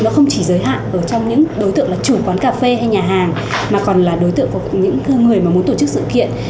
nó không chỉ giới hạn ở trong những đối tượng là chủ quán cà phê hay nhà hàng mà còn là đối tượng của những người mà muốn tổ chức sự kiện